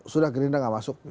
sudah gerindra gak masuk